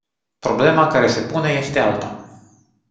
Problema care se pune este alta.